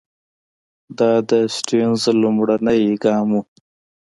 دا د سټیونز لومړنی ګام وو.